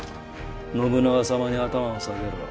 信長様に頭を下げろ。